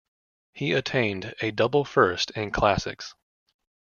He attained a double first in classics.